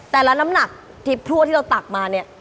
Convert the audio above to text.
แต่แล้วน้ำหนักที่ทั่วที่เราตักมานี่